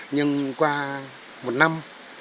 nhưng qua một năm